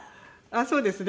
そうですね。